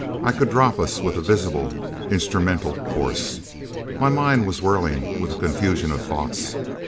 I could drop us with a visible, instrumental course. My mind was whirling with a confusion of thoughts.